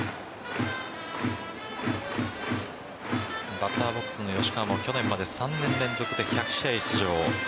バッターボックスの吉川も去年まで３年連続で１００試合出場。